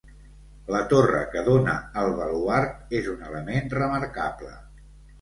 La torre que dóna al baluard, és un element remarcable.